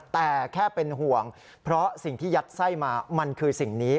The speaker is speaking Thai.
แต่แค่เป็นห่วงเพราะสิ่งที่ยัดไส้มามันคือสิ่งนี้